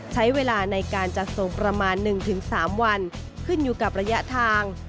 ใช้เวลาในการจัดส่งประมาณ๑๓วันขึ้นอยู่กับระยะทาง